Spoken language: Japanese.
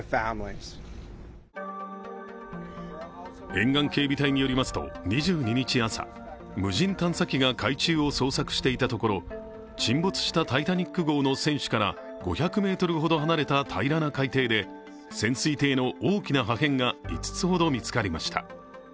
沿岸警備隊によりますと２２日朝、無人探査機が海中を捜索していたところ沈没した「タイタニック」号の船首から５００ｍほど離れた平らな海底で潜水艇の大きな破片が５つほど見つかりました。